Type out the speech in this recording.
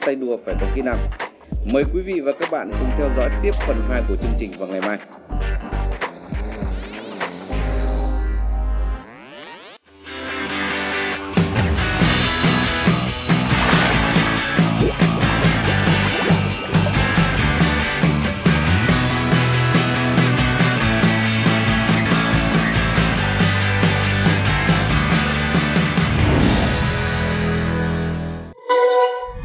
hãy đăng ký kênh để ủng hộ kênh của mình nhé